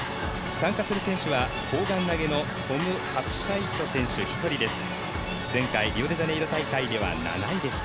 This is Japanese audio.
参加する選手は砲丸投げのトム・ハプシャイト選手１人です。